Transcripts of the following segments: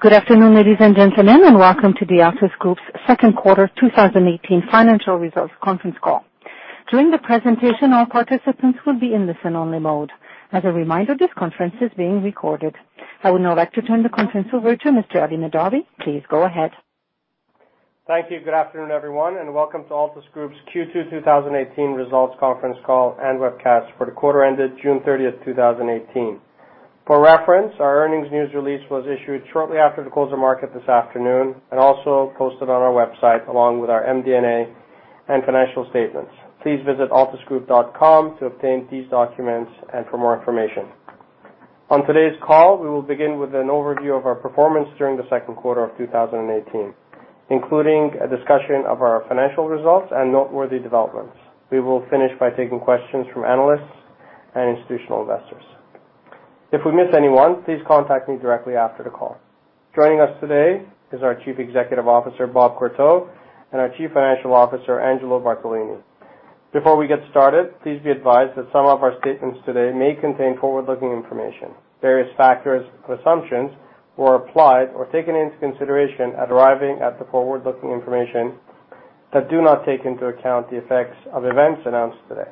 Good afternoon, ladies and gentlemen, and welcome to the Altus Group's second quarter 2018 financial results conference call. During the presentation, all participants will be in listen-only mode. As a reminder, this conference is being recorded. I would now like to turn the conference over to Mr. Ali Mahdavi. Please go ahead. Thank you. Good afternoon, everyone, and welcome to Altus Group's Q2 2018 results conference call and webcast for the quarter ended June 30th, 2018. For reference, our earnings news release was issued shortly after the close of market this afternoon and also posted on our website along with our MD&A and financial statements. Please visit altusgroup.com to obtain these documents and for more information. On today's call, we will begin with an overview of our performance during the second quarter of 2018, including a discussion of our financial results and noteworthy developments. We will finish by taking questions from analysts and institutional investors. If we miss anyone, please contact me directly after the call. Joining us today is our Chief Executive Officer, Bob Courteau, and our Chief Financial Officer, Angelo Bartolini. Before we get started, please be advised that some of our statements today may contain forward-looking information. Various factors or assumptions were applied or taken into consideration at arriving at the forward-looking information that do not take into account the effects of events announced today.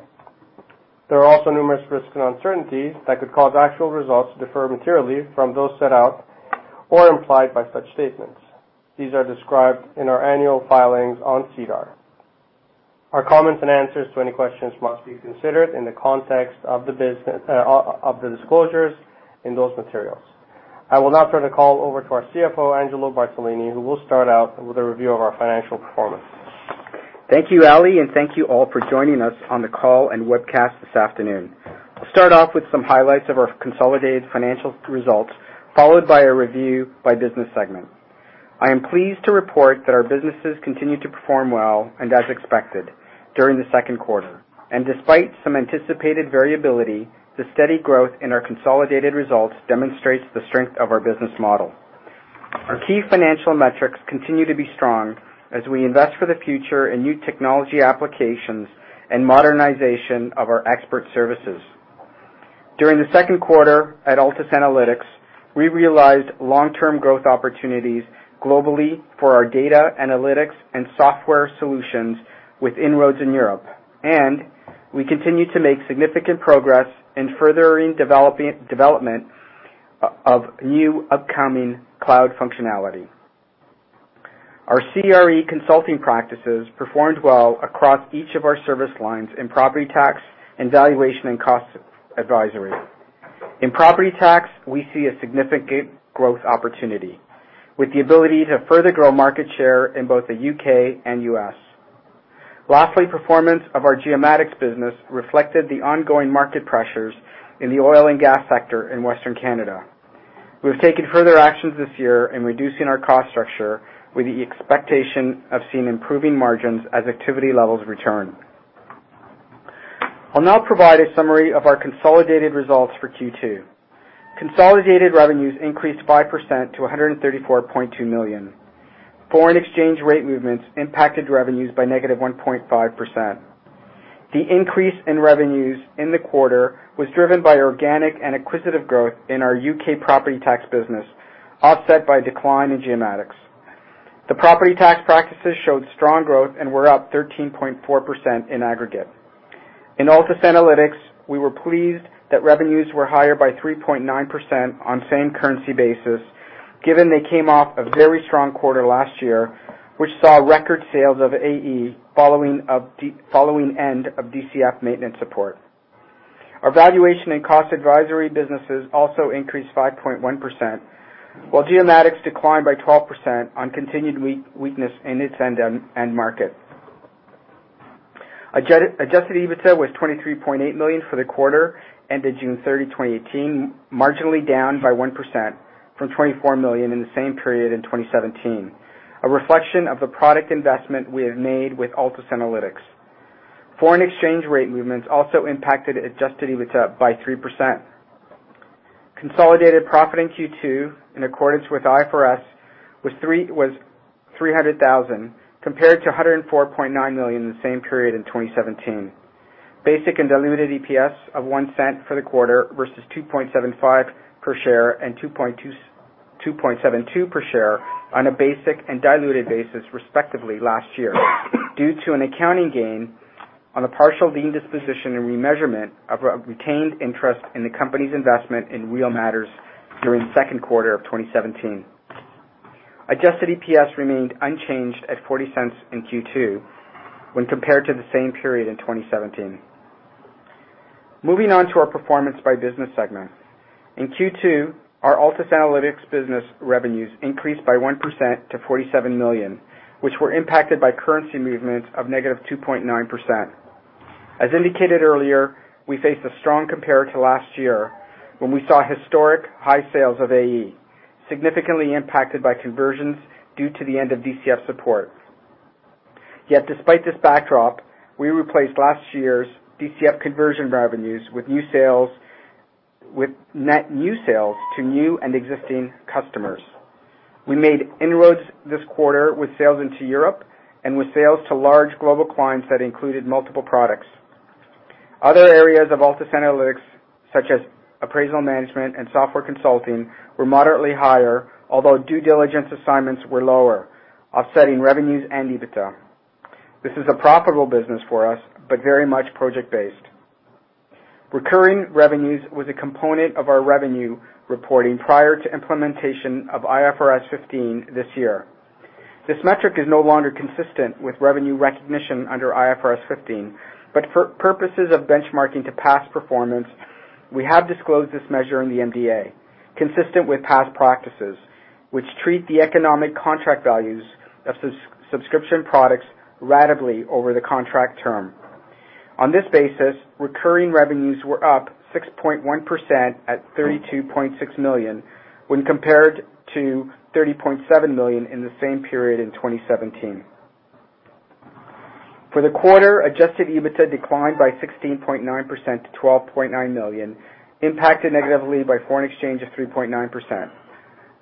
There are also numerous risks and uncertainties that could cause actual results to differ materially from those set out or implied by such statements. These are described in our annual filings on SEDAR. Our comments and answers to any questions must be considered in the context of the disclosures in those materials. I will now turn the call over to our CFO, Angelo Bartolini, who will start out with a review of our financial performance. Thank you, Ali, and thank you all for joining us on the call and webcast this afternoon. I'll start off with some highlights of our consolidated financial results, followed by a review by business segment. I am pleased to report that our businesses continued to perform well and as expected during the second quarter. Despite some anticipated variability, the steady growth in our consolidated results demonstrates the strength of our business model. Our key financial metrics continue to be strong as we invest for the future in new technology applications and modernization of our expert services. During the second quarter at Altus Analytics, we realized long-term growth opportunities globally for our data analytics and software solutions with inroads in Europe, and we continue to make significant progress in furthering development of new upcoming cloud functionality. Our CRE consulting practices performed well across each of our service lines in property tax and valuation and cost advisory. In property tax, we see a significant growth opportunity with the ability to further grow market share in both the U.K. and U.S. Lastly, performance of our Geomatics business reflected the ongoing market pressures in the oil and gas sector in Western Canada. We've taken further actions this year in reducing our cost structure with the expectation of seeing improving margins as activity levels return. I'll now provide a summary of our consolidated results for Q2. Consolidated revenues increased 5% to 134.2 million. Foreign exchange rate movements impacted revenues by -1.5%. The increase in revenues in the quarter was driven by organic and acquisitive growth in our U.K. property tax business, offset by decline in Geomatics. The property tax practices showed strong growth and were up 13.4% in aggregate. In Altus Analytics, we were pleased that revenues were higher by 3.9% on the same currency basis, given they came off a very strong quarter last year, which saw record sales of ARGUS Enterprise following end of DCF maintenance support. Our valuation and cost advisory businesses also increased 5.1%, while Geomatics declined by 12% on continued weakness in its end market. Adjusted EBITDA was 23.8 million for the quarter ended June 30, 2018, marginally down by 1% from 24 million in the same period in 2017, a reflection of the product investment we have made with Altus Analytics. Foreign exchange rate movements also impacted adjusted EBITDA by 3%. Consolidated profit in Q2, in accordance with IFRS, was 300,000, compared to 104.9 million in the same period in 2017. Basic and diluted EPS of 0.01 for the quarter versus 2.75 per share and 2.72 per share on a basic and diluted basis, respectively, last year, due to an accounting gain on a partial disposition and remeasurement of retained interest in the company's investment in Real Matters during the second quarter of 2017. Adjusted EPS remained unchanged at 0.40 in Q2 when compared to the same period in 2017. Moving on to our performance by business segment. In Q2, our Altus Analytics business revenues increased by 1% to 47 million, which were impacted by currency movements of -2.9%. As indicated earlier, we faced a strong compare to last year when we saw historic high sales of ARGUS Enterprise, significantly impacted by conversions due to the end of DCF support. Despite this backdrop, we replaced last year's DCF conversion revenues with net new sales to new and existing customers. We made inroads this quarter with sales into Europe and with sales to large global clients that included multiple products. Other areas of Altus Analytics, such as appraisal management and software consulting, were moderately higher, although due diligence assignments were lower, offsetting revenues and EBITDA. This is a profitable business for us, but very much project-based. Recurring revenues was a component of our revenue reporting prior to implementation of IFRS 15 this year. This metric is no longer consistent with revenue recognition under IFRS 15, but for purposes of benchmarking to past performance, we have disclosed this measure in the MD&A, consistent with past practices, which treat the economic contract values of subscription products ratably over the contract term. On this basis, recurring revenues were up 6.1% at 32.6 million, when compared to 30.7 million in the same period in 2017. For the quarter, adjusted EBITDA declined by 16.9% to 12.9 million, impacted negatively by foreign exchange of 3.9%.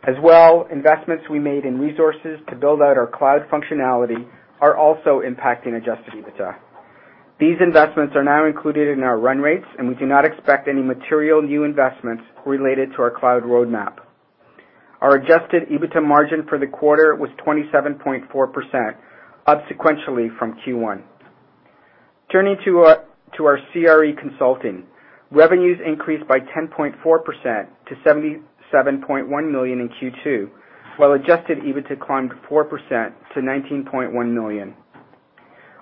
As well, investments we made in resources to build out our cloud functionality are also impacting adjusted EBITDA. These investments are now included in our run rates, and we do not expect any material new investments related to our cloud roadmap. Our adjusted EBITDA margin for the quarter was 27.4%, up sequentially from Q1. Turning to our CRE consulting. Revenues increased by 10.4% to 77.1 million in Q2, while adjusted EBITDA climbed 4% to 19.1 million.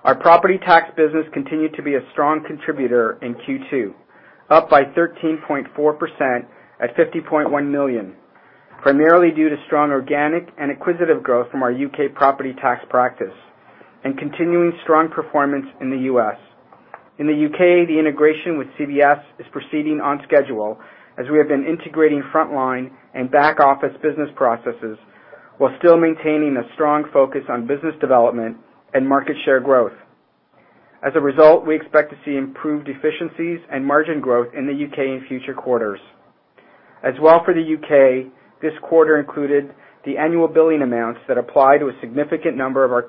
Our property tax business continued to be a strong contributor in Q2, up by 13.4% at 50.1 million, primarily due to strong organic and acquisitive growth from our U.K. property tax practice, and continuing strong performance in the U.S. In the U.K., the integration with CVS is proceeding on schedule, as we have been integrating frontline and back office business processes while still maintaining a strong focus on business development and market share growth. As a result, we expect to see improved efficiencies and margin growth in the U.K. in future quarters. As well for the U.K., this quarter included the annual billing amounts that apply to a significant number of our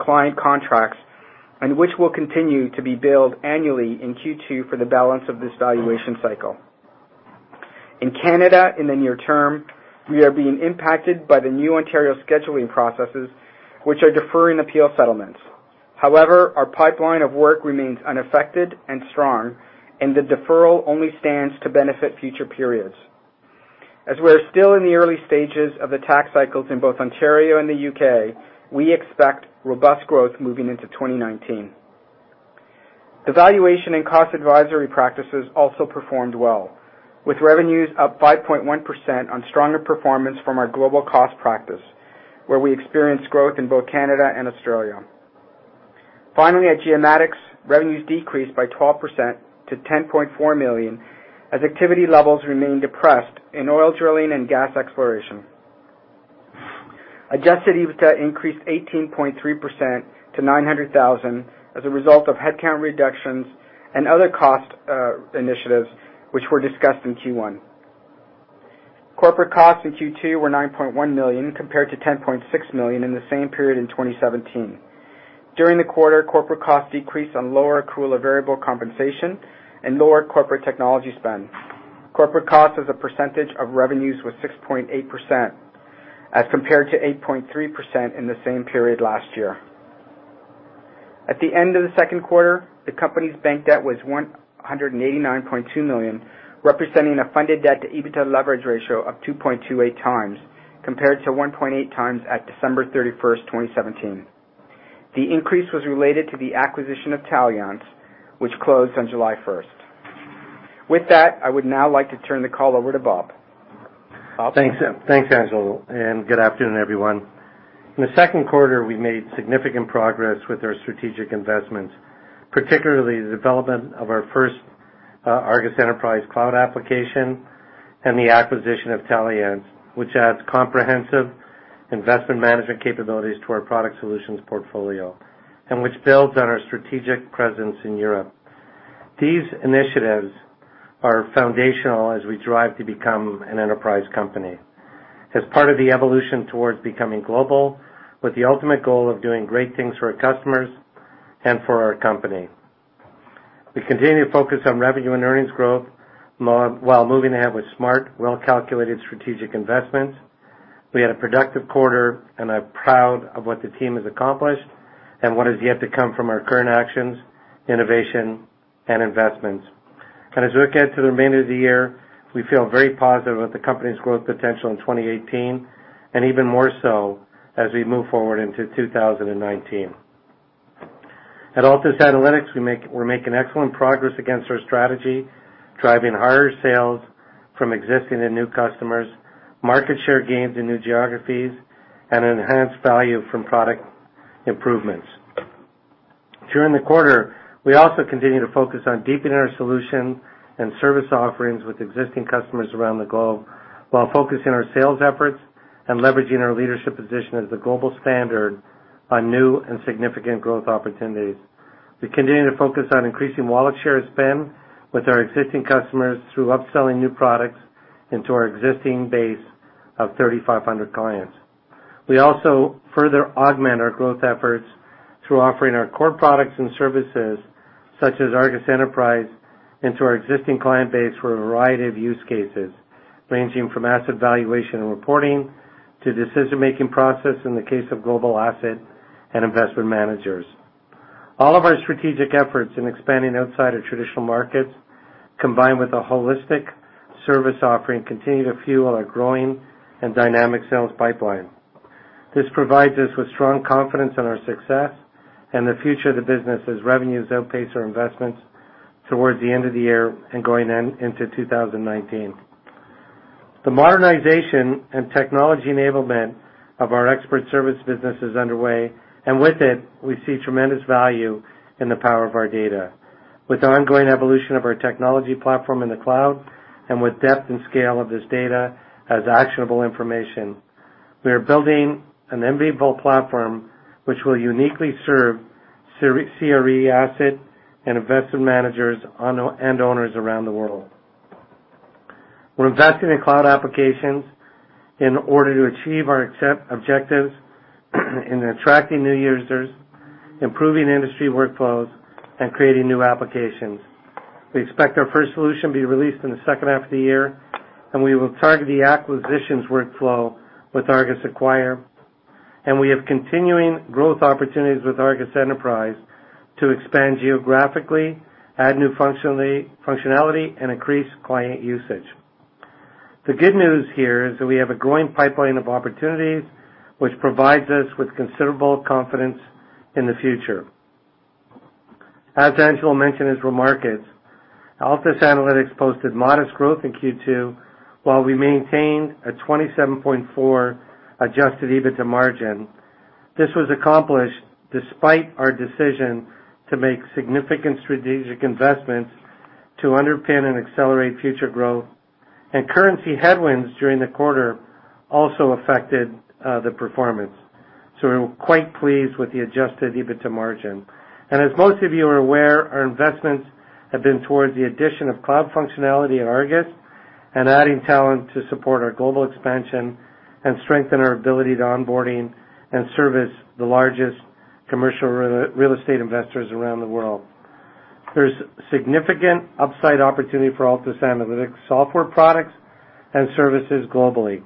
client contracts, and which will continue to be billed annually in Q2 for the balance of this valuation cycle. In Canada, in the near term, we are being impacted by the new Ontario scheduling processes, which are deferring appeal settlements. However, our pipeline of work remains unaffected and strong, and the deferral only stands to benefit future periods. As we are still in the early stages of the tax cycles in both Ontario and the U.K., we expect robust growth moving into 2019. The valuation and cost advisory practices also performed well, with revenues up 5.1% on stronger performance from our global cost practice, where we experienced growth in both Canada and Australia. Finally, at Geomatics, revenues decreased by 12% to 10.4 million, as activity levels remained depressed in oil drilling and gas exploration. Adjusted EBITDA increased 18.3% to 900,000 as a result of headcount reductions and other cost initiatives, which were discussed in Q1. Corporate costs in Q2 were 9.1 million compared to 10.6 million in the same period in 2017. During the quarter, corporate costs decreased on lower accrual of variable compensation and lower corporate technology spend. Corporate costs as a percentage of revenues were 6.8%, as compared to 8.3% in the same period last year. At the end of the second quarter, the company's bank debt was 189.2 million, representing a funded debt-to-EBITDA leverage ratio of 2.28 times, compared to 1.8 times at December 31st, 2017. The increase was related to the acquisition of Taliance, which closed on July 1st. With that, I would now like to turn the call over to Bob. Bob? Thanks, Angelo, good afternoon, everyone. In the second quarter, we made significant progress with our strategic investments, particularly the development of our first ARGUS Enterprise Cloud application and the acquisition of Taliance, which adds comprehensive investment management capabilities to our product solutions portfolio, which builds on our strategic presence in Europe. These initiatives are foundational as we drive to become an enterprise company. As part of the evolution towards becoming global, with the ultimate goal of doing great things for our customers and for our company. We continue to focus on revenue and earnings growth while moving ahead with smart, well-calculated strategic investments. We had a productive quarter, I'm proud of what the team has accomplished and what is yet to come from our current actions, innovation, and investments. As we look ahead to the remainder of the year, we feel very positive about the company's growth potential in 2018, even more so as we move forward into 2019. At Altus Analytics, we're making excellent progress against our strategy, driving higher sales from existing and new customers, market share gains in new geographies, and enhanced value from product improvements. During the quarter, we also continued to focus on deepening our solution and service offerings with existing customers around the globe while focusing our sales efforts and leveraging our leadership position as a global standard on new and significant growth opportunities. We continue to focus on increasing wallet share spend with our existing customers through upselling new products into our existing base of 3,500 clients. We also further augment our growth efforts through offering our core products and services, such as ARGUS Enterprise, into our existing client base for a variety of use cases, ranging from asset valuation and reporting to decision-making process in the case of global asset and investment managers. All of our strategic efforts in expanding outside of traditional markets, combined with a holistic service offering, continue to fuel our growing and dynamic sales pipeline. This provides us with strong confidence in our success and the future of the business as revenues outpace our investments towards the end of the year and going into 2019. The modernization and technology enablement of our expert service business is underway, with it, we see tremendous value in the power of our data. With the ongoing evolution of our technology platform in the cloud, with depth and scale of this data as actionable information, we are building an enviable platform which will uniquely serve CRE asset and investment managers and owners around the world. We're investing in cloud applications in order to achieve our objectives in attracting new users, improving industry workflows, and creating new applications. We expect our first solution be released in the second half of the year, we will target the acquisitions workflow with Argus Acquire, we have continuing growth opportunities with ARGUS Enterprise to expand geographically, add new functionality, and increase client usage. The good news here is that we have a growing pipeline of opportunities, which provides us with considerable confidence in the future. As Angelo mentioned his remarks, Altus Analytics posted modest growth in Q2 while we maintained a 27.4% adjusted EBITDA margin. This was accomplished despite our decision to make significant strategic investments to underpin and accelerate future growth, and currency headwinds during the quarter also affected the performance. We were quite pleased with the adjusted EBITDA margin. As most of you are aware, our investments have been towards the addition of cloud functionality at ARGUS and adding talent to support our global expansion and strengthen our ability to onboarding and service the largest commercial real estate investors around the world. There's significant upside opportunity for Altus Analytics software products and services globally.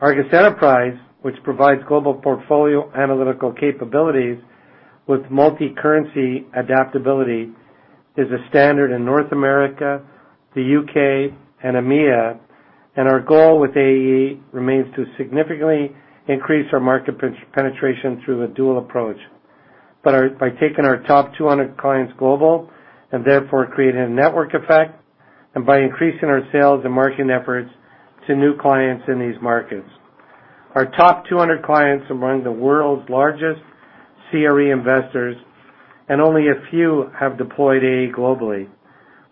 ARGUS Enterprise, which provides global portfolio analytical capabilities with multicurrency adaptability, is a standard in North America, the U.K., and EMEA, and our goal with AE remains to significantly increase our market penetration through a dual approach. By taking our top 200 clients global and therefore creating a network effect, and by increasing our sales and marketing efforts to new clients in these markets. Our top 200 clients among the world's largest CRE investors, and only a few have deployed AE globally.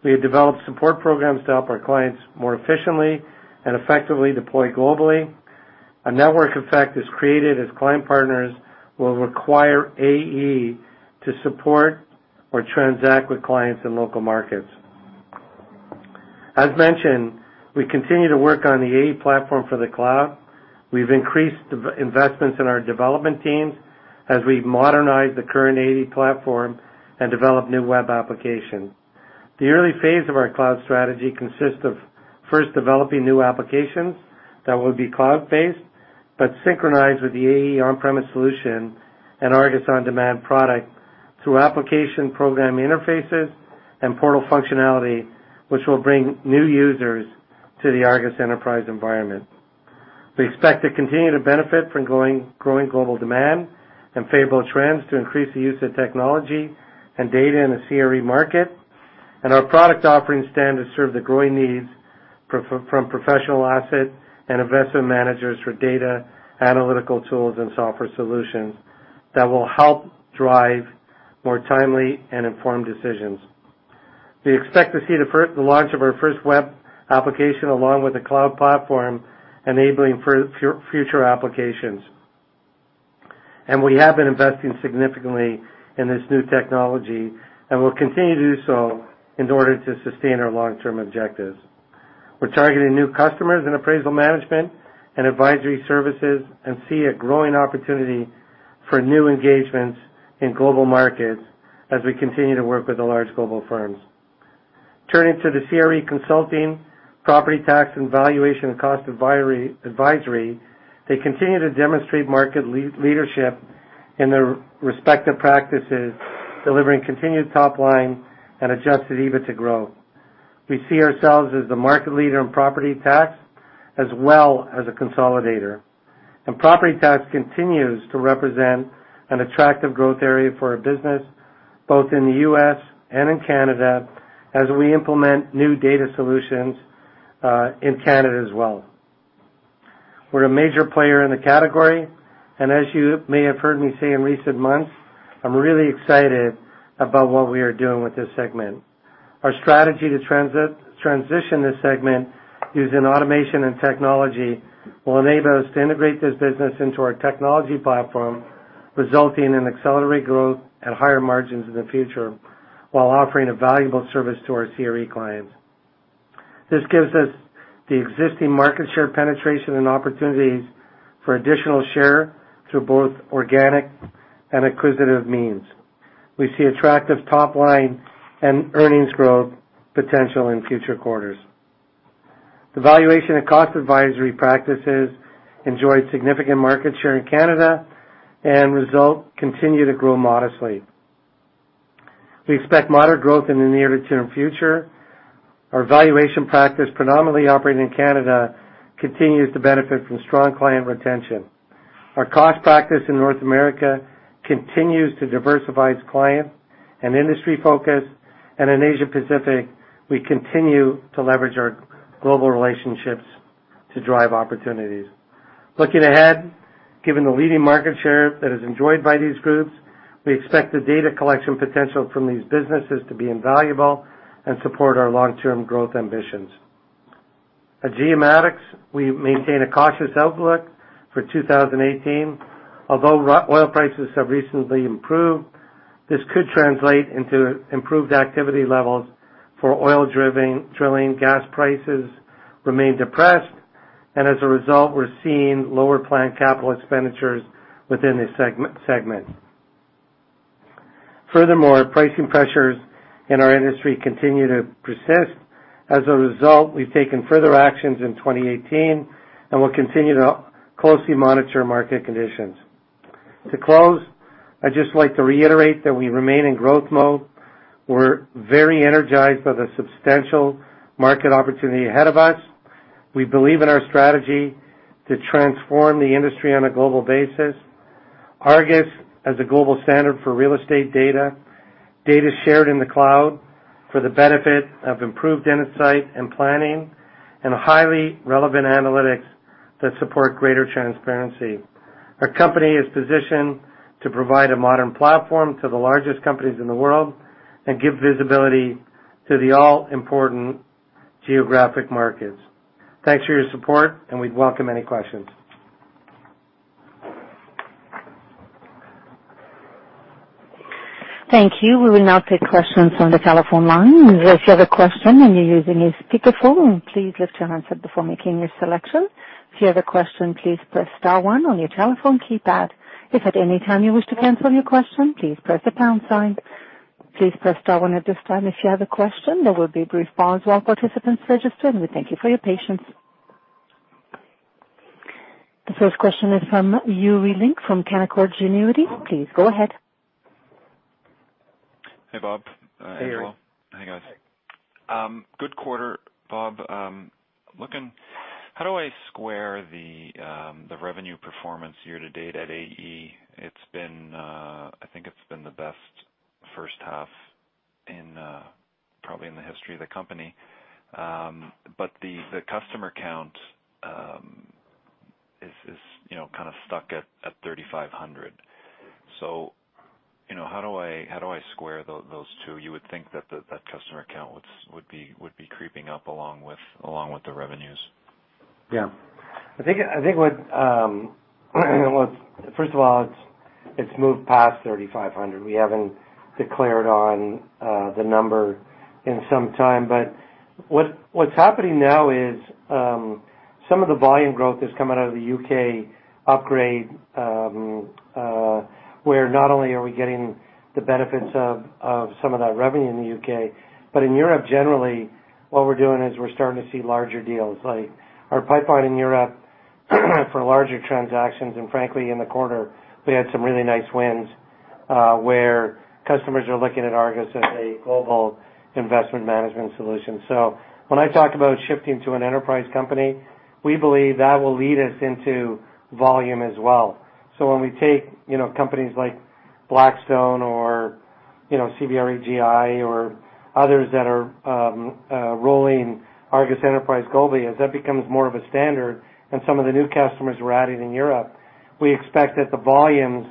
We have developed support programs to help our clients more efficiently and effectively deploy globally. A network effect is created as client partners will require AE to support or transact with clients in local markets. As mentioned, we continue to work on the AE platform for the cloud. We've increased investments in our development teams as we modernize the current AE platform and develop new web applications. The early phase of our cloud strategy consists of first developing new applications that will be cloud-based but synchronized with the AE on-premise solution and ARGUS On Demand product through application program interfaces and portal functionality, which will bring new users to the ARGUS Enterprise environment. We expect to continue to benefit from growing global demand and favorable trends to increase the use of technology and data in the CRE market. Our product offerings stand to serve the growing needs from professional asset and investment managers for data analytical tools and software solutions that will help drive more timely and informed decisions. We expect to see the launch of our first web application along with a cloud platform, enabling future applications. We have been investing significantly in this new technology and will continue to do so in order to sustain our long-term objectives. We're targeting new customers in appraisal management and advisory services and see a growing opportunity for new engagements in global markets as we continue to work with the large global firms. Turning to the CRE consulting, property tax and valuation, and cost advisory, they continue to demonstrate market leadership in their respective practices, delivering continued top-line and adjusted EBITDA growth. We see ourselves as the market leader in property tax as well as a consolidator. Property tax continues to represent an attractive growth area for our business, both in the U.S. and in Canada, as we implement new data solutions in Canada as well. We're a major player in the category, and as you may have heard me say in recent months, I'm really excited about what we are doing with this segment. Our strategy to transition this segment using automation and technology will enable us to integrate this business into our technology platform, resulting in accelerated growth and higher margins in the future while offering a valuable service to our CRE clients. This gives us the existing market share penetration and opportunities for additional share through both organic and acquisitive means. We see attractive top-line and earnings growth potential in future quarters. The valuation and cost advisory practices enjoy significant market share in Canada, and results continue to grow modestly. We expect moderate growth in the near to term future. Our valuation practice, predominantly operating in Canada, continues to benefit from strong client retention. Our cost practice in North America continues to diversify its client and industry focus, and in Asia Pacific, we continue to leverage our global relationships to drive opportunities. Looking ahead, given the leading market share that is enjoyed by these groups, we expect the data collection potential from these businesses to be invaluable and support our long-term growth ambitions. At Geomatics, we maintain a cautious outlook for 2018. Although oil prices have recently improved, this could translate into improved activity levels for oil drilling. Gas prices remain depressed, and as a result, we're seeing lower planned capital expenditures within this segment. Furthermore, pricing pressures in our industry continue to persist. As a result, we've taken further actions in 2018, and we'll continue to closely monitor market conditions. To close, I'd just like to reiterate that we remain in growth mode. We're very energized by the substantial market opportunity ahead of us. We believe in our strategy to transform the industry on a global basis. ARGUS, as a global standard for real estate data shared in the cloud for the benefit of improved insight and planning and highly relevant analytics that support greater transparency. Our company is positioned to provide a modern platform to the largest companies in the world and give visibility to the all-important geographic markets. Thanks for your support, and we'd welcome any questions. Thank you. We will now take questions from the telephone line. If you have a question and you're using a speakerphone, please lift your handset before making your selection. If you have a question, please press star one on your telephone keypad. If at any time you wish to cancel your question, please press the pound sign. Please press star one at this time if you have a question. There will be a brief pause while participants register, and we thank you for your patience. The first question is from Yuri Lynk from Canaccord Genuity. Please go ahead. Hey, Bob. Hey, Yuri. Hi, guys. Good quarter, Bob. How do I square the revenue performance year to date at AE? I think it's been the best first half probably in the history of the company. The customer count is kind of stuck at 3,500. How do I square those two? You would think that that customer count would be creeping up along with the revenues. Yeah. I think first of all, it's moved past 3,500. We haven't declared on the number in some time. What's happening now is some of the volume growth is coming out of the U.K. upgrade, where not only are we getting the benefits of some of that revenue in the U.K., but in Europe generally, what we're doing is we're starting to see larger deals. Our pipeline in Europe for larger transactions, and frankly, in the quarter, we had some really nice wins where customers are looking at ARGUS as a global investment management solution. When I talked about shifting to an enterprise company, we believe that will lead us into volume as well. When we take companies like Blackstone or CBRE GI or others that are rolling ARGUS Enterprise globally, as that becomes more of a standard and some of the new customers we're adding in Europe, we expect that the volumes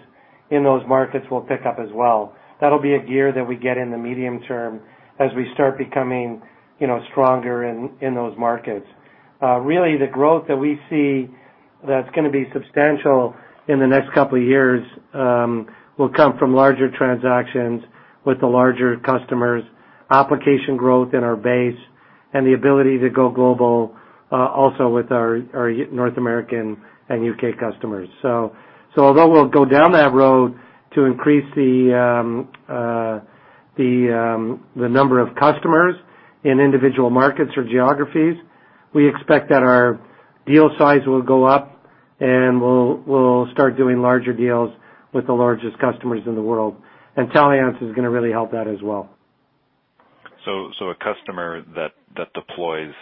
in those markets will pick up as well. That'll be a gear that we get in the medium term as we start becoming stronger in those markets. Really, the growth that we see that's going to be substantial in the next couple of years will come from larger transactions with the larger customers, application growth in our base, and the ability to go global also with our North American and U.K. customers. Although we'll go down that road to increase the number of customers in individual markets or geographies, we expect that our deal size will go up, and we'll start doing larger deals with the largest customers in the world. Taliance is going to really help that as well. A customer that deploys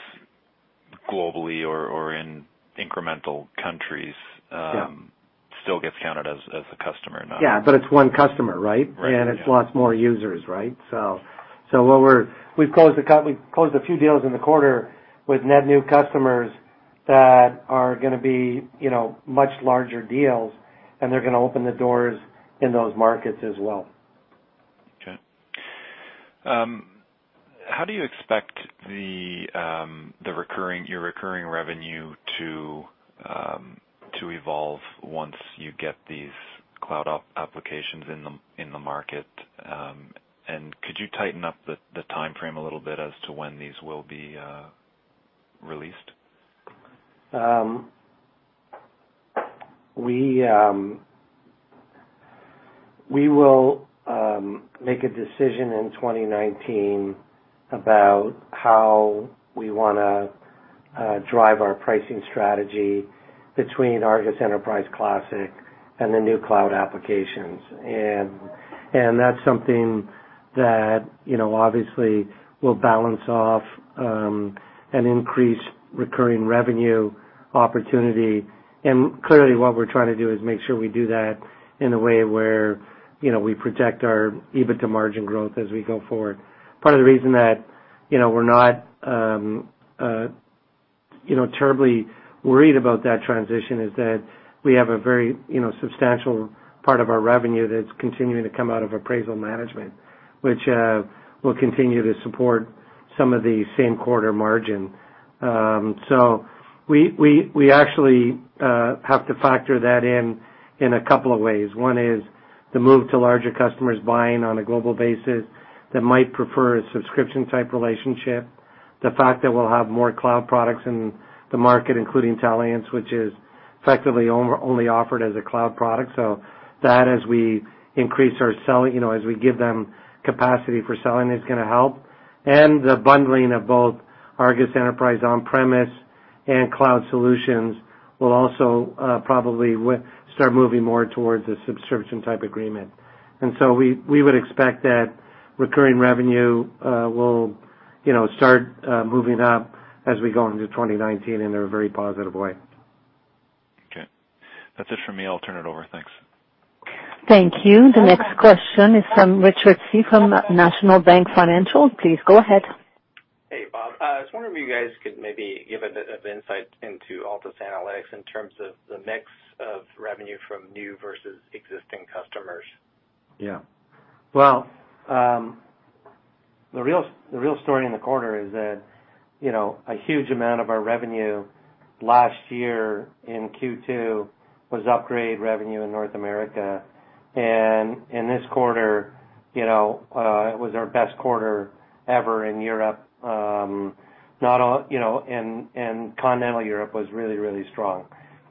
globally or in incremental countries Yeah still gets counted as a customer, not Yeah, it's one customer, right? Right. Yeah. It's lots more users. We've closed a few deals in the quarter with net new customers that are going to be much larger deals, and they're going to open the doors in those markets as well. Okay. How do you expect your recurring revenue to evolve once you get these cloud applications in the market? Could you tighten up the timeframe a little bit as to when these will be released? We will make a decision in 2019 about how we want to drive our pricing strategy between ARGUS Enterprise on-premise and the new cloud applications. That's something that, obviously, will balance off an increased recurring revenue opportunity. Clearly, what we're trying to do is make sure we do that in a way where we protect our EBITDA margin growth as we go forward. Part of the reason that we're not terribly worried about that transition is that we have a very substantial part of our revenue that's continuing to come out of appraisal management, which will continue to support some of the same quarter margin. We actually have to factor that in a couple of ways. One is the move to larger customers buying on a global basis that might prefer a subscription-type relationship. The fact that we'll have more cloud products in the market, including Taliance, which is effectively only offered as a cloud product. That, as we give them capacity for selling, is going to help. The bundling of both ARGUS Enterprise on-premise and cloud solutions will also probably start moving more towards a subscription-type agreement. We would expect that recurring revenue will start moving up as we go into 2019 in a very positive way. Okay. That's it for me. I'll turn it over. Thanks. Thank you. The next question is from Richard Tse from National Bank Financial. Please go ahead. Hey, Bob. I was wondering if you guys could maybe give a bit of insight into Altus Analytics in terms of the mix of revenue from new versus existing customers. Well, the real story in the quarter is that a huge amount of our revenue last year in Q2 was upgrade revenue in North America. In this quarter, it was our best quarter ever in Europe. Continental Europe was really, really strong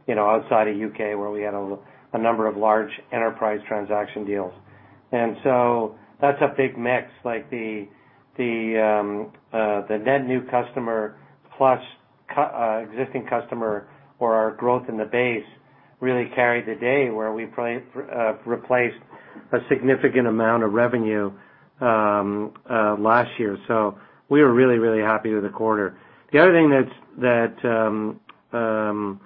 outside of U.K. where we had a number of large enterprise transaction deals. That's a big mix, like the net new customer plus existing customer or our growth in the base really carried the day where we replaced a significant amount of revenue last year. We were really, really happy with the quarter. The other thing that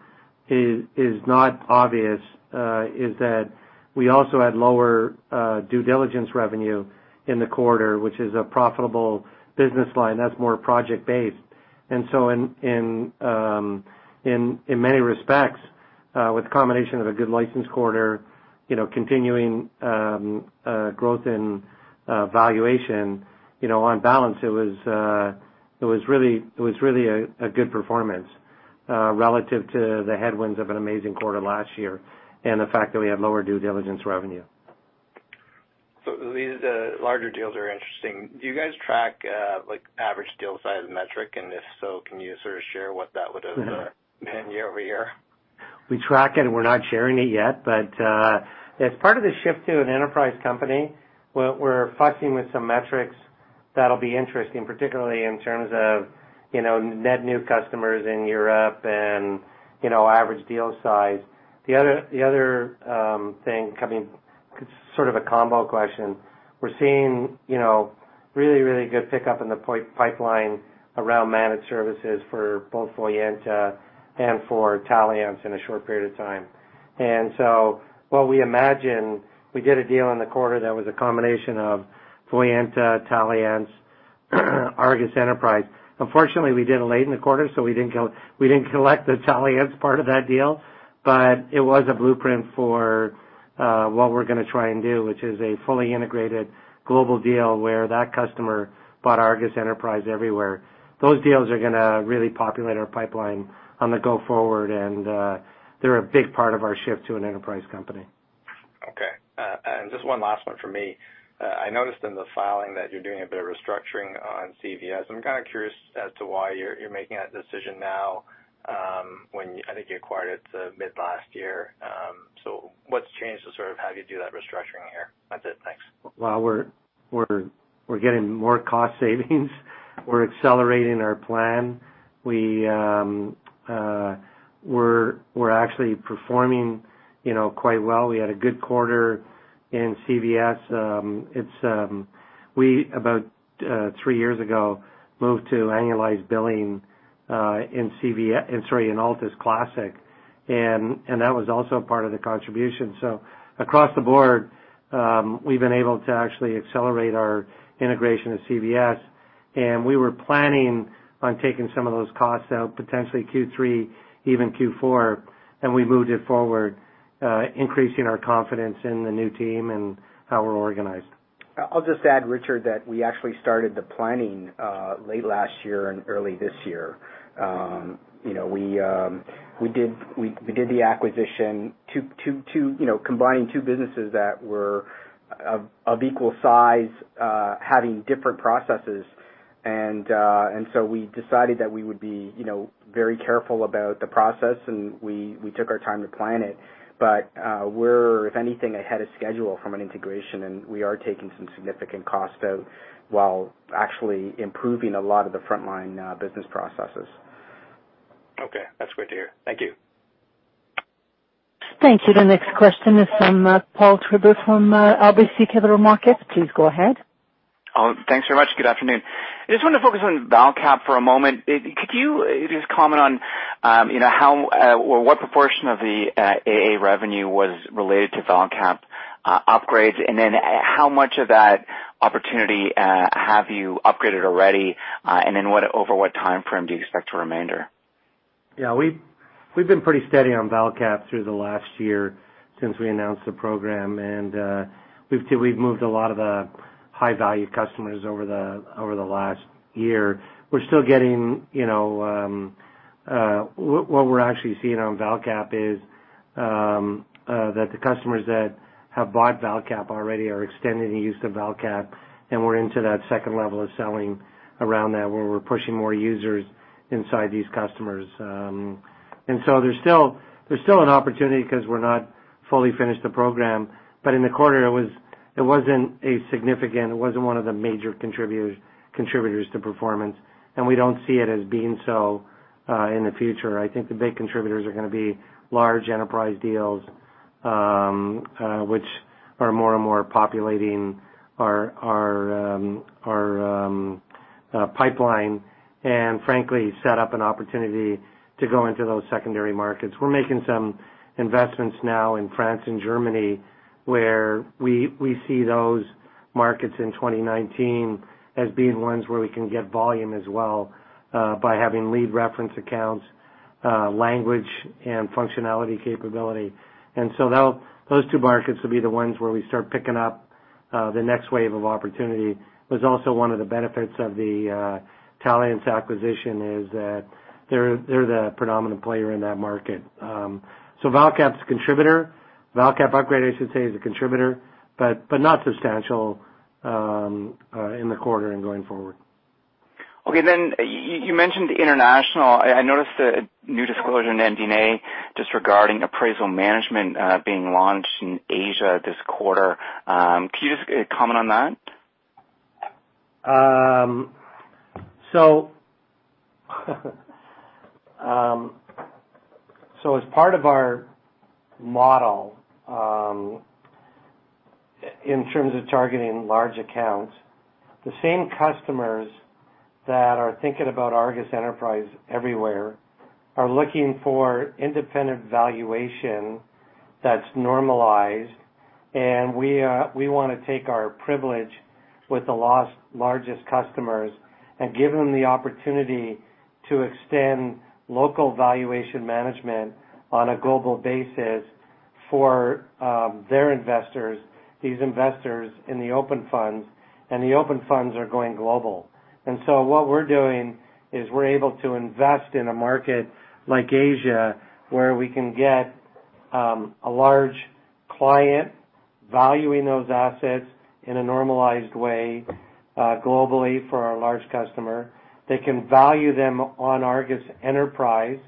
is not obvious is that we also had lower due diligence revenue in the quarter, which is a profitable business line. That's more project-based. In many respects, with the combination of a good license quarter, continuing growth in valuation, on balance, it was really a good performance relative to the headwinds of an amazing quarter last year and the fact that we had lower due diligence revenue. These larger deals are interesting. Do you guys track average deal size metric? If so, can you sort of share what that would have been year-over-year? We track it. We're not sharing it yet. As part of the shift to an enterprise company, we're fussing with some metrics that'll be interesting, particularly in terms of net new customers in Europe and average deal size. The other thing, I mean, sort of a combo question. We're seeing really, really good pickup in the pipeline around managed services for both Voyanta and for Taliance in a short period of time. What we imagine, we did a deal in the quarter that was a combination of Voyanta, Taliance, ARGUS Enterprise. Unfortunately, we did it late in the quarter, so we didn't collect the Taliance part of that deal. It was a blueprint for what we're going to try and do, which is a fully integrated global deal where that customer bought ARGUS Enterprise everywhere. Those deals are going to really populate our pipeline on the go forward. They're a big part of our shift to an enterprise company. Okay. Just one last one from me. I noticed in the filing that you're doing a bit of restructuring on CVS. I'm kind of curious as to why you're making that decision now when I think you acquired it mid-last year. What's changed to sort of have you do that restructuring here? That's it. Thanks. Well, we're getting more cost savings. We're accelerating our plan. We're actually performing quite well. We had a good quarter in CVS. We, about three years ago, moved to annualized billing in Altus Classic. That was also part of the contribution. Across the board, we've been able to actually accelerate our integration of CVS. We were planning on taking some of those costs out, potentially Q3, even Q4. We moved it forward, increasing our confidence in the new team and how we're organized. I'll just add, Richard, that we actually started the planning late last year and early this year. We did the acquisition, combining two businesses that were of equal size having different processes. We decided that we would be very careful about the process. We took our time to plan it. We're, if anything, ahead of schedule from an integration, and we are taking some significant costs out while actually improving a lot of the frontline business processes. Okay. That's great to hear. Thank you. Thank you. The next question is from Paul Treiber from RBC Capital Markets. Please go ahead. Thanks very much. Good afternoon. I just want to focus on ValCap for a moment. Could you just comment on what proportion of the AA revenue was related to ValCap upgrades, and then how much of that opportunity have you upgraded already, and then over what timeframe do you expect to remainder? Yeah. We've been pretty steady on ValCap through the last year since we announced the program, and we've moved a lot of the high-value customers over the last year. What we're actually seeing on ValCap is that the customers that have bought ValCap already are extending the use of ValCap, and we're into that second level of selling around that, where we're pushing more users inside these customers. There's still an opportunity because we're not fully finished the program. In the quarter, it wasn't a significant. It wasn't one of the major contributors to performance, and we don't see it as being so in the future. I think the big contributors are going to be large enterprise deals, which are more and more populating our pipeline, and frankly, set up an opportunity to go into those secondary markets. We're making some investments now in France and Germany, where we see those markets in 2019 as being ones where we can get volume as well, by having lead reference accounts, language, and functionality capability. Those two markets will be the ones where we start picking up the next wave of opportunity. Was also one of the benefits of the Taliance acquisition is that they're the predominant player in that market. ValCap's a contributor. ValCap upgrade, I should say, is a contributor, but not substantial in the quarter and going forward. You mentioned international. I noticed a new disclosure in MD&A just regarding appraisal management being launched in Asia this quarter. Can you just comment on that? As part of our model, in terms of targeting large accounts, the same customers that are thinking about ARGUS Enterprise everywhere are looking for independent valuation that's normalized. We want to take our privilege with the largest customers and give them the opportunity to extend local valuation management on a global basis for their investors, these investors in the open funds, and the open funds are going global. What we're doing is we're able to invest in a market like Asia, where we can get a large client valuing those assets in a normalized way globally for our large customer. They can value them on ARGUS Enterprise,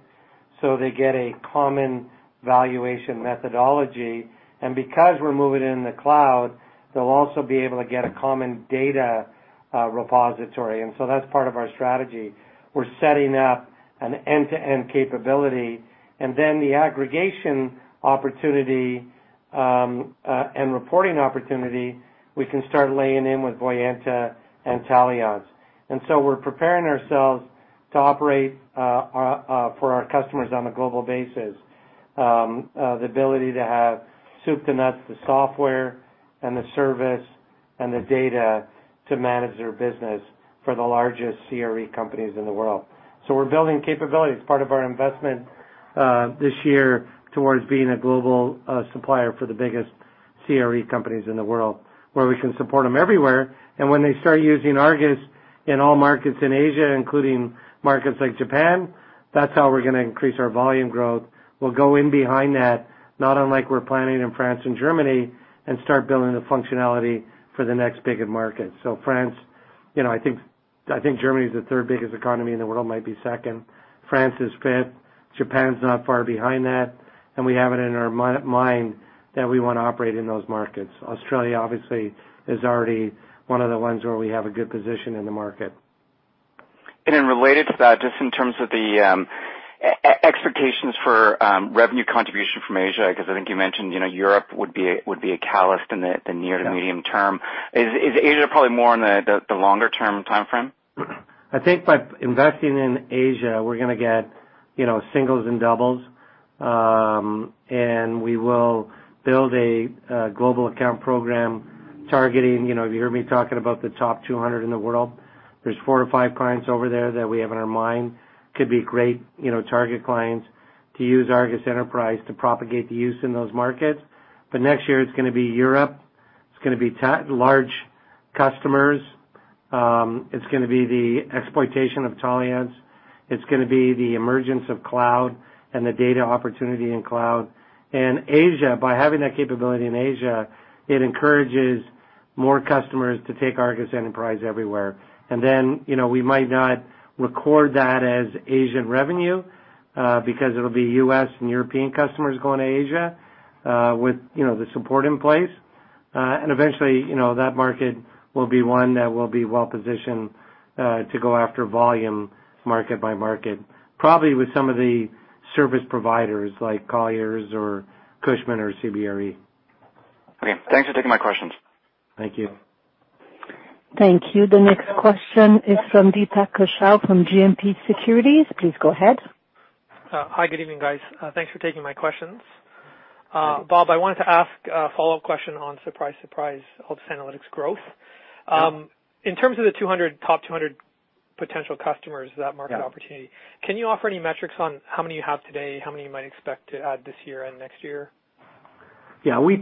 so they get a common valuation methodology. Because we're moving in the cloud, they'll also be able to get a common data repository. That's part of our strategy. We're setting up an end-to-end capability, then the aggregation opportunity, and reporting opportunity, we can start laying in with Voyanta and Taliance. We're preparing ourselves to operate for our customers on a global basis. The ability to have soup to nuts, the software and the service and the data to manage their business for the largest CRE companies in the world. We're building capabilities, part of our investment this year towards being a global supplier for the biggest CRE companies in the world, where we can support them everywhere. When they start using ARGUS in all markets in Asia, including markets like Japan, that's how we're going to increase our volume growth. We'll go in behind that, not unlike we're planning in France and Germany, and start building the functionality for the next biggest market. France-- I think Germany is the third biggest economy in the world, might be second. France is fifth. Japan's not far behind that. We have it in our mind that we want to operate in those markets. Australia, obviously, is already one of the ones where we have a good position in the market. Related to that, just in terms of the expectations for revenue contribution from Asia, because I think you mentioned Europe would be a catalyst in the near to medium term. Is Asia probably more in the longer term timeframe? I think by investing in Asia, we're going to get singles and doubles. We will build a global account program targeting-- You heard me talking about the top 200 in the world. There's four to five clients over there that we have in our mind, could be great target clients to use ARGUS Enterprise to propagate the use in those markets. Next year, it's going to be Europe. It's going to be large customers. It's going to be the exploitation of Taliance. It's going to be the emergence of cloud and the data opportunity in cloud. Asia, by having that capability in Asia, it encourages more customers to take ARGUS Enterprise everywhere. We might not record that as Asian revenue because it'll be U.S. and European customers going to Asia with the support in place. Eventually, that market will be one that will be well-positioned to go after volume market by market, probably with some of the service providers like Colliers or Cushman or CBRE. Okay. Thanks for taking my questions. Thank you. Thank you. The next question is from Deepak Kaushal from GMP Securities. Please go ahead. Hi. Good evening, guys. Thanks for taking my questions. Thank you. Bob, I wanted to ask a follow-up question on surprise, Altus Analytics growth. Yeah. In terms of the top 200 potential customers, that market opportunity Yeah Can you offer any metrics on how many you have today, how many you might expect to add this year and next year? Yeah. We've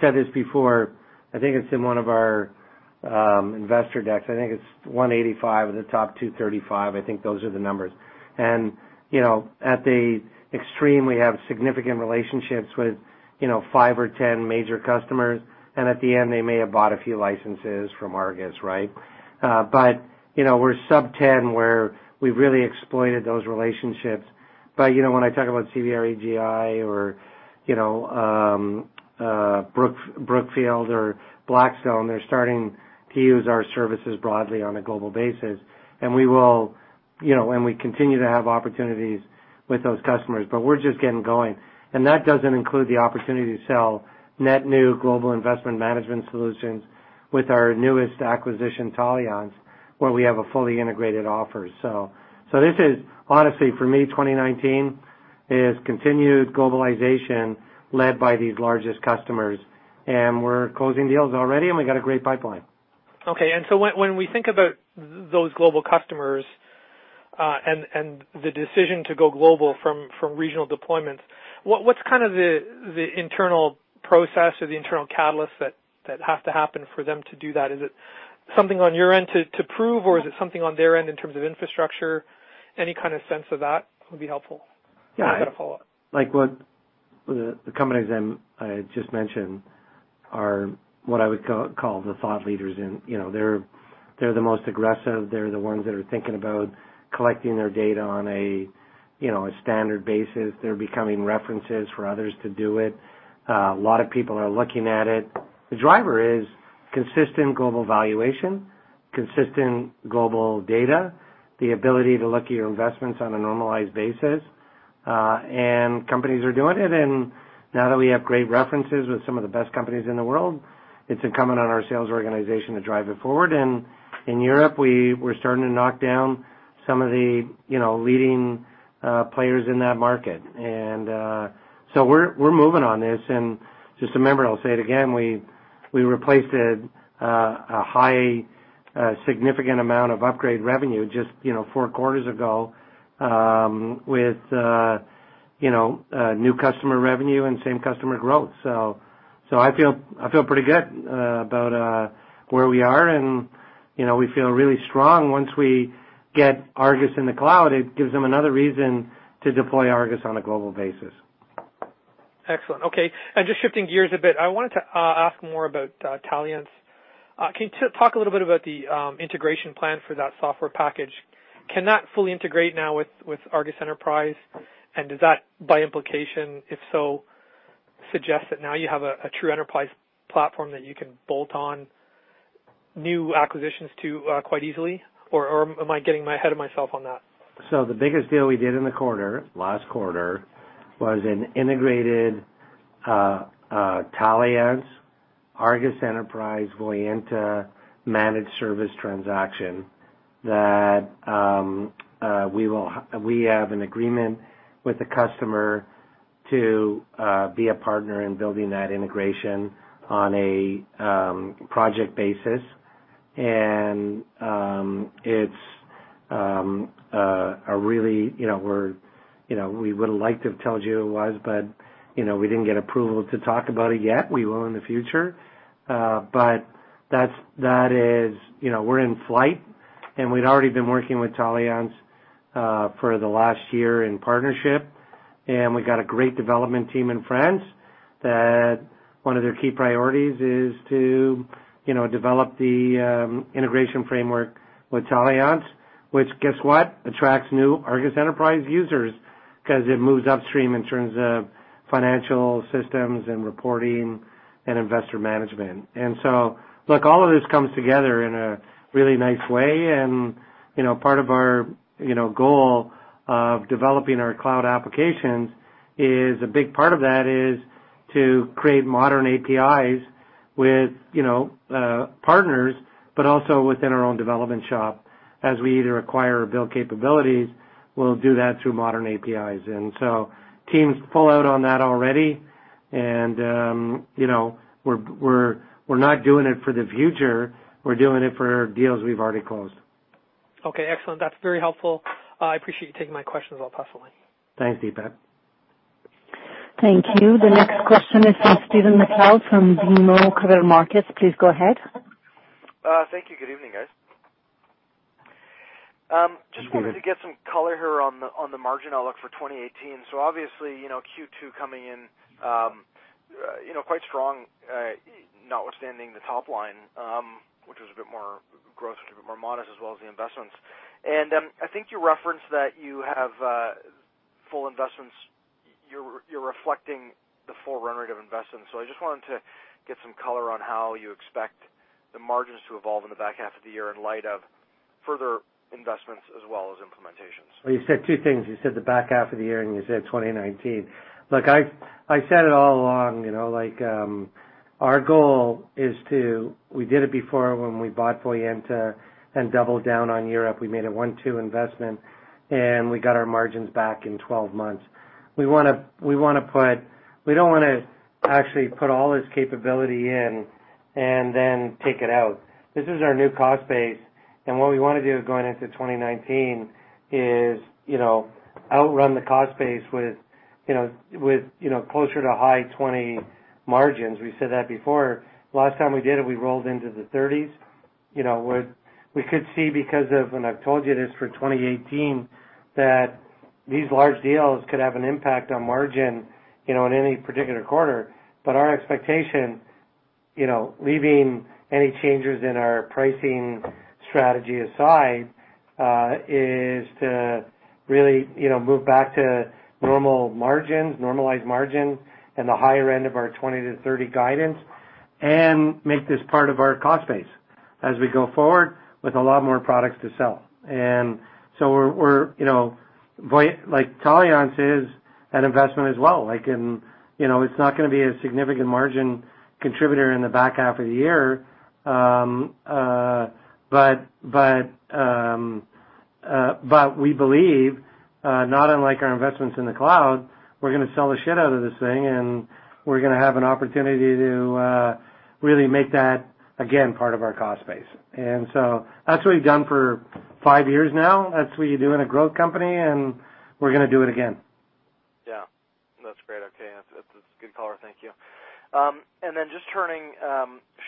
said this before, I think it's in one of our investor decks. I think it's 185 of the top 235. I think those are the numbers. At the extreme, we have significant relationships with five or 10 major customers, and at the end, they may have bought a few licenses from ARGUS. We're sub-10 where we've really exploited those relationships. When I talk about CBRE, GI, or Brookfield or Blackstone, they're starting to use our services broadly on a global basis. We continue to have opportunities with those customers. We're just getting going. That doesn't include the opportunity to sell net new global investment management solutions with our newest acquisition, Taliance, where we have a fully integrated offer. This is, honestly, for me, 2019 is continued globalization led by these largest customers, and we're closing deals already, and we've got a great pipeline. Okay. When we think about those global customers, and the decision to go global from regional deployments, what's the internal process or the internal catalyst that has to happen for them to do that? Is it something on your end to prove, or is it something on their end in terms of infrastructure? Any kind of sense of that would be helpful. Yeah. I've got a follow-up. The companies I just mentioned are what I would call the thought leaders. They're the most aggressive. They're the ones that are thinking about collecting their data on a standard basis. They're becoming references for others to do it. A lot of people are looking at it. The driver is consistent global valuation, consistent global data, the ability to look at your investments on a normalized basis. Companies are doing it, and now that we have great references with some of the best companies in the world, it's incumbent on our sales organization to drive it forward. In Europe, we're starting to knock down some of the leading players in that market. We're moving on this. Just remember, I'll say it again, we replaced a high, significant amount of upgrade revenue just four quarters ago with new customer revenue and same customer growth. I feel pretty good about where we are, and we feel really strong once we get ARGUS in the cloud. It gives them another reason to deploy ARGUS on a global basis. Excellent. Okay. Just shifting gears a bit. I wanted to ask more about Taliance. Can you talk a little about the integration plan for that software package? Can that fully integrate now with ARGUS Enterprise? Does that, by implication, if so, suggest that now you have a true enterprise platform that you can bolt on new acquisitions to quite easily? Am I getting ahead of myself on that? The biggest deal we did in the quarter, last quarter, was an integrated Taliance, ARGUS Enterprise, ARGUS Voyanta managed service transaction that we have an agreement with the customer to be a partner in building that integration on a project basis. We would've liked to have told you who it was, but we didn't get approval to talk about it yet. We will in the future. We're in flight, and we'd already been working with Taliance for the last year in partnership, and we got a great development team in France that one of their key priorities is to develop the integration framework with Taliance, which, guess what? Attracts new ARGUS Enterprise users because it moves upstream in terms of financial systems and reporting and investor management. Look, all of this comes together in a really nice way, and part of our goal of developing our cloud applications, a big part of that is to create modern APIs with partners, but also within our own development shop. As we either acquire or build capabilities, we'll do that through modern APIs. Teams pull out on that already, and we're not doing it for the future. We're doing it for deals we've already closed. Excellent. That's very helpful. I appreciate you taking my questions, all personally. Thanks, Deepak. Thank you. The next question is from Stephen MacLeod from BMO Capital Markets. Please go ahead. Thank you. Good evening, guys. Just wanted to get some color here on the margin outlook for 2018. Obviously, Q2 coming in quite strong, notwithstanding the top line, which was a bit more growth, a bit more modest as well as the investments. I think you referenced that you have full investments. You're reflecting the full run rate of investments. I just wanted to get some color on how you expect the margins to evolve in the back half of the year in light of further investments as well as implementations. Well, you said two things. You said the back half of the year, and you said 2019. Look, I said it all along. Our goal is to. We did it before when we bought ARGUS Voyanta and doubled down on Europe, we made a one-two investment, and we got our margins back in 12 months. We don't want to actually put all this capability in and then take it out. This is our new cost base. What we want to do going into 2019 is outrun the cost base with closer to high 20 margins. We said that before. Last time we did it, we rolled into the 30s. We could see because of, I've told you this for 2018, that these large deals could have an impact on margin in any particular quarter. Our expectation, leaving any changes in our pricing strategy aside, is to really move back to normal margins, normalized margins, and the higher end of our 20 to 30 guidance and make this part of our cost base as we go forward with a lot more products to sell. Taliance is an investment as well. It's not going to be a significant margin contributor in the back half of the year, but we believe, not unlike our investments in the cloud, we're going to sell the shit out of this thing, and we're going to have an opportunity to really make that, again, part of our cost base. That's what we've done for five years now. That's what you do in a growth company. We're going to do it again. Yeah. No, that's great. Okay. That's a good color. Thank you. Just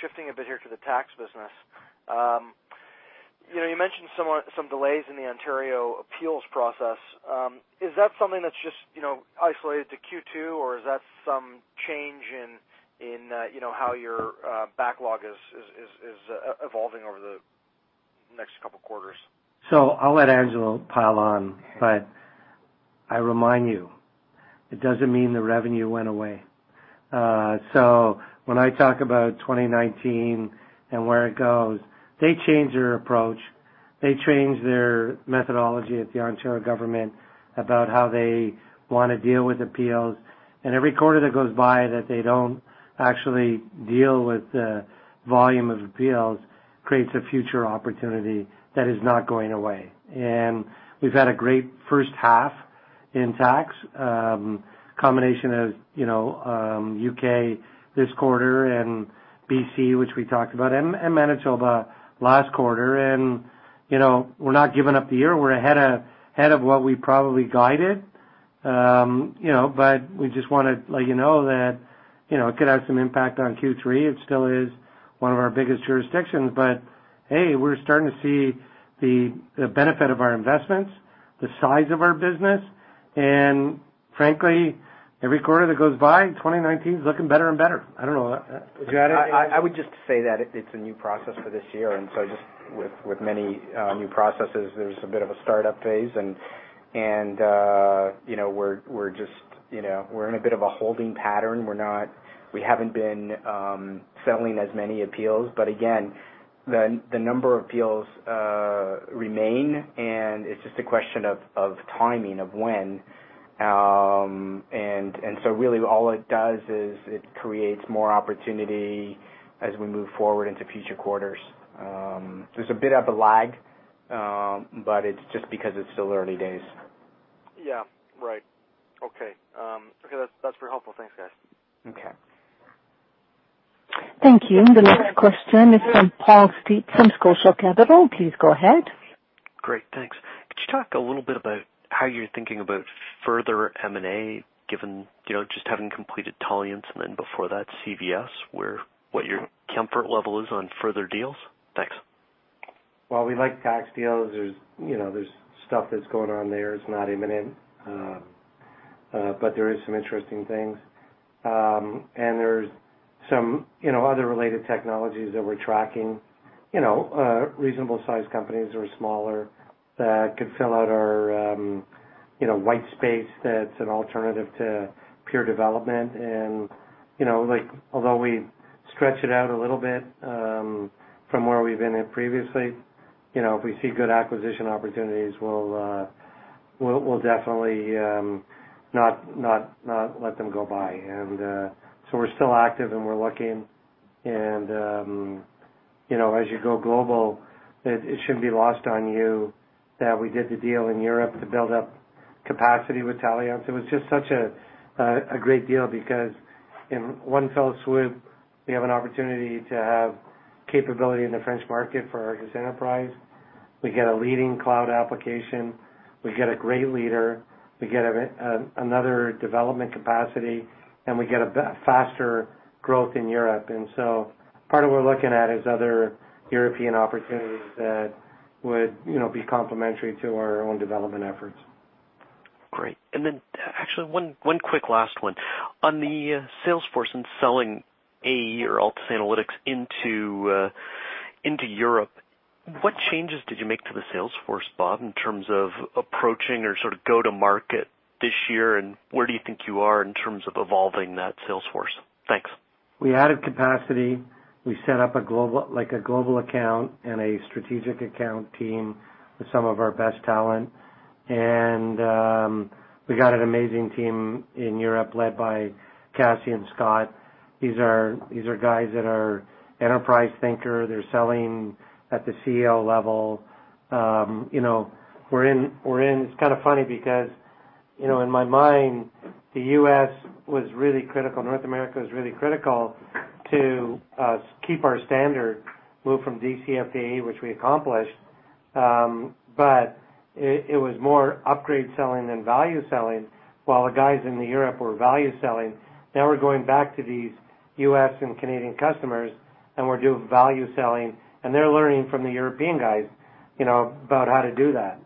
shifting a bit here to the tax business. You mentioned some delays in the Ontario appeals process. Is that something that's just isolated to Q2, or is that some change in how your backlog is evolving over the next couple of quarters? I'll let Angelo pile on, I remind you, it doesn't mean the revenue went away. When I talk about 2019 and where it goes, they change their approach. They change their methodology at the Ontario government about how they want to deal with appeals. Every quarter that goes by that they don't actually deal with the volume of appeals creates a future opportunity that is not going away. We've had a great first half in tax. A combination of U.K. this quarter and B.C., which we talked about, and Manitoba last quarter. We're not giving up the year. We're ahead of what we probably guided. We just want to let you know that it could have some impact on Q3. It still is one of our biggest jurisdictions, hey, we're starting to see the benefit of our investments, the size of our business, frankly, every quarter that goes by, 2019 is looking better and better. I don't know. Would you add anything? I would just say that it's a new process for this year, just with many new processes, there's a bit of a startup phase. We're in a bit of a holding pattern. We haven't been settling as many appeals, again, the number of appeals remain, it's just a question of timing, of when. Really all it does is it creates more opportunity as we move forward into future quarters. There's a bit of a lag, it's just because it's still early days. Yeah. Right. Okay. That's very helpful. Thanks, guys. Okay. Thank you. The next question is from Paul Steep from Scotiabank. Please go ahead. Great. Thanks. Could you talk a little bit about how you're thinking about further M&A, given just having completed Taliance and then before that, CVS, what your comfort level is on further deals? Thanks. Well, we like tax deals. There's stuff that's going on there. It's not imminent, but there is some interesting things. There's some other related technologies that we're tracking, reasonable-sized companies or smaller that could fill out our white space that's an alternative to peer development. Although we stretch it out a little bit from where we've been in previously, if we see good acquisition opportunities, we'll definitely not let them go by. We're still active and we're looking and as you go global, it shouldn't be lost on you that we did the deal in Europe to build up capacity with Taliance. It was just such a great deal because in one fell swoop, we have an opportunity to have capability in the French market for our enterprise. We get a leading cloud application, we get a great leader, we get another development capacity, and we get a faster growth in Europe. Part of what we're looking at is other European opportunities that would be complementary to our own development efforts. Great. Actually one quick last one. On the sales force and selling AE or Altus Analytics into Europe, what changes did you make to the sales force, Bob, in terms of approaching or sort of go to market this year? Where do you think you are in terms of evolving that sales force? Thanks. We added capacity. We set up a global account and a strategic account team with some of our best talent. We got an amazing team in Europe led by Cassie and Scott. These are guys that are enterprise thinker. They're selling at the C-level. It's kind of funny because, in my mind, the U.S. was really critical. North America was really critical to keep our standard, move from DCF to AE, which we accomplished. It was more upgrade selling than value selling, while the guys in Europe were value selling. Now we're going back to these U.S. and Canadian customers, and we're doing value selling, and they're learning from the European guys about how to do that.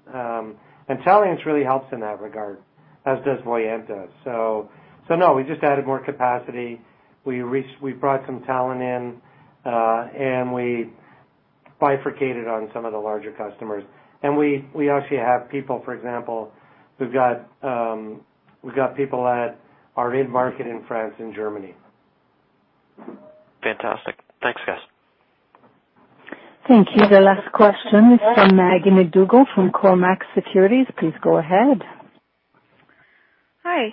Taliance really helps in that regard, as does Voyanta. No, we just added more capacity. We brought some talent in, and we bifurcated on some of the larger customers. We actually have people, for example, we've got people that are in market in France and Germany. Fantastic. Thanks, guys. Thank you. The last question is from Maggie MacDougall from Cormark Securities. Please go ahead. Hi.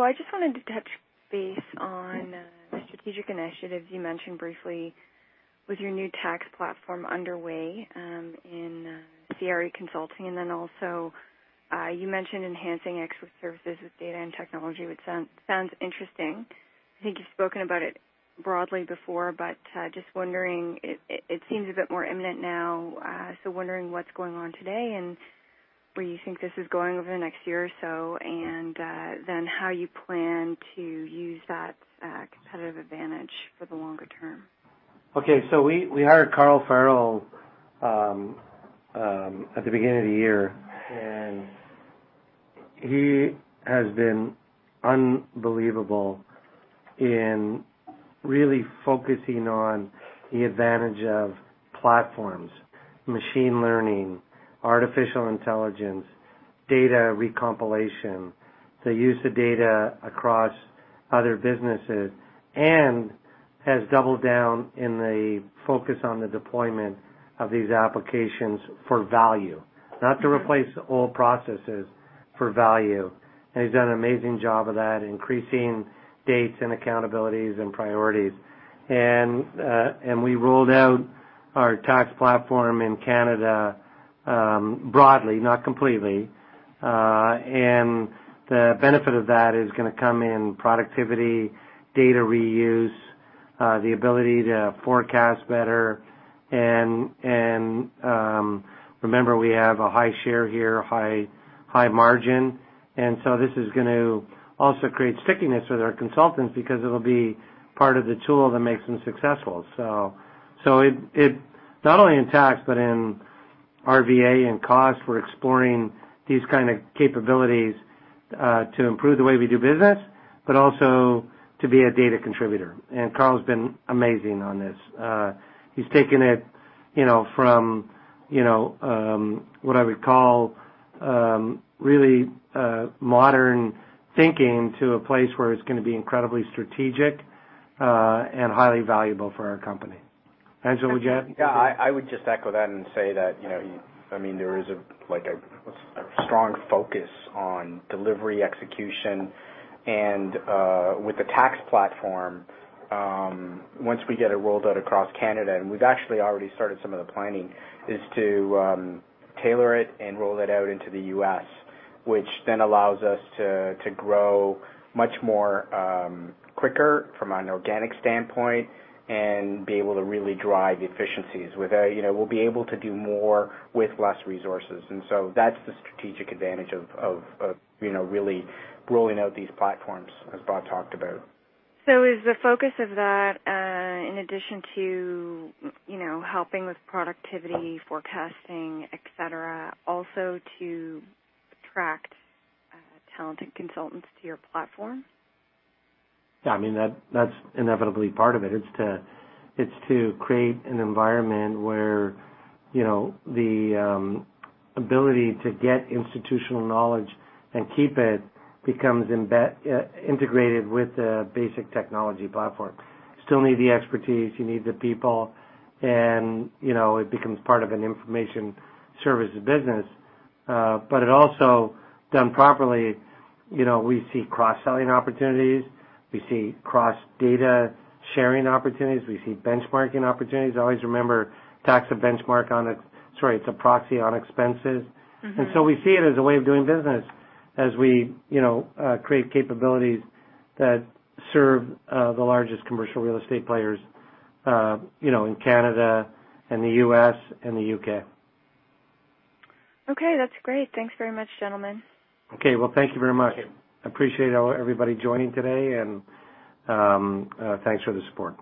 I just wanted to touch base on strategic initiatives you mentioned briefly with your new tax platform underway in CRE consulting, and then also, you mentioned enhancing extra services with data and technology, which sounds interesting. I think you've spoken about it broadly before, but just wondering, it seems a bit more imminent now, wondering what's going on today and where you think this is going over the next year or so, and then how you plan to use that competitive advantage for the longer term. Okay. We hired Carl Farrell at the beginning of the year, he has been unbelievable in really focusing on the advantage of platforms, machine learning, artificial intelligence, data recompilation, the use of data across other businesses, has doubled down in the focus on the deployment of these applications for value, not to replace old processes, for value. He's done an amazing job of that, increasing dates and accountabilities and priorities. We rolled out our tax platform in Canada, broadly, not completely. The benefit of that is going to come in productivity, data reuse, the ability to forecast better, remember, we have a high share here, high margin. This is going to also create stickiness with our consultants because it'll be part of the tool that makes them successful. Not only in tax, but in RVA and cost, we're exploring these kind of capabilities to improve the way we do business, but also to be a data contributor. Carl's been amazing on this. He's taken it from what I would call really modern thinking to a place where it's going to be incredibly strategic, and highly valuable for our company. Angelo, would you add anything? Yeah. I would just echo that and say that there is a strong focus on delivery execution and, with the tax platform, once we get it rolled out across Canada, and we've actually already started some of the planning, is to tailor it and roll it out into the U.S., which then allows us to grow much more quicker from an organic standpoint and be able to really drive efficiencies. We'll be able to do more with less resources. That's the strategic advantage of really rolling out these platforms, as Bob talked about. Is the focus of that, in addition to helping with productivity, forecasting, et cetera, also to attract talented consultants to your platform? Yeah. That's inevitably part of it. It's to create an environment where the ability to get institutional knowledge and keep it becomes integrated with the basic technology platform. Still need the expertise. You need the people, and it becomes part of an information services business. It also, done properly, we see cross-selling opportunities. We see cross-data sharing opportunities. We see benchmarking opportunities. Always remember, tax a benchmark. It's a proxy on expenses. We see it as a way of doing business as we create capabilities that serve the largest commercial real estate players in Canada and the U.S. and the U.K. Okay, that's great. Thanks very much, gentlemen. Okay. Well, thank you very much. Thank you. Appreciate everybody joining today, and thanks for the support.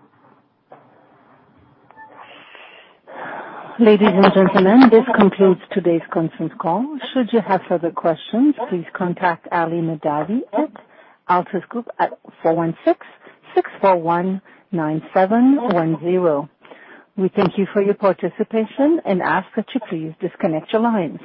Ladies and gentlemen, this concludes today's conference call. Should you have further questions, please contact Ali Mahdavi at Altus Group at 416-641-9710. We thank you for your participation and ask that you please disconnect your lines.